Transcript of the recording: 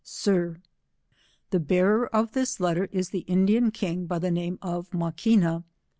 Sir, The bearer of this letter is the Indian king by the name of Maquina.